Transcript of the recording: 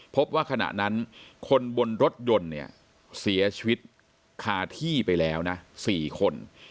พบว่าขณะนั้นคนบนรถยนต์เนี่ยเสียชีวิตคาที่ไปแล้วนะ๔คน